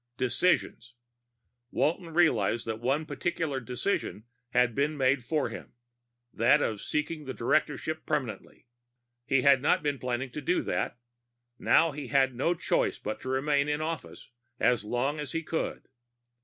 Decisions. Walton realized that one particular decision had been made for him, that of seeking the directorship permanently. He had not been planning to do that. Now he had no choice but to remain in office as long as he could.